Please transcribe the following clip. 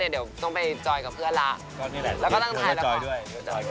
เดี๋ยวต้องไปจอยกับเพื่อนละแล้วก็ตั้งถ่ายแล้วค่ะ